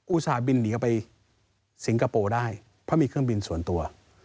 ส่าหบินหนีออกไปสิงคโปร์ได้เพราะมีเครื่องบินส่วนตัว